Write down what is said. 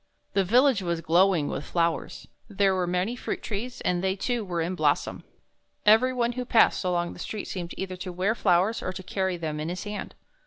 The village was glowing with flowers. There were many fruit trees, and they, too, were in blossom. Every one who passed along the street seemed either to wear flowers or to carry them in his hand.